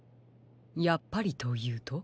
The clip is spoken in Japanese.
やっぱりというと？